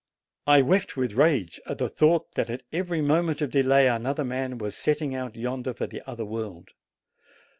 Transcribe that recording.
I wept with rage at the thought that at every moment of delay another man was setting out yonder for the other world.